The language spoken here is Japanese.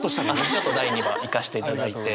ちょっと第２話いかしていただいて。